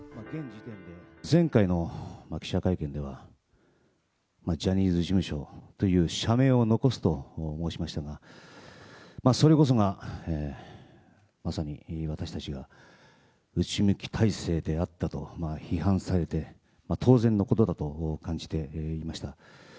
前回の記者会見では、ジャニーズ事務所という社名を残すと申しましたが、それこそが、まさに私たちが内向き体制であったと批判されて当然のことだと感じていました。